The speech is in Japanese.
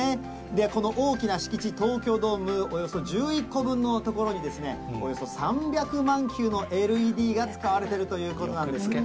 この大きな敷地、東京ドームおよそ１１個分の所に、およそ３００万球のＬＥＤが使われているということなんです。